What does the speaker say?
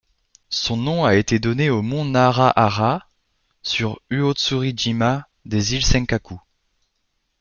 Son nom a été donné au mont Narahara sur Uotsuri-jima des îles Senkaku.